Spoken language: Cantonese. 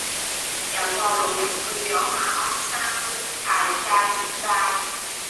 有個老人去左馬鞍山沃泰街食齋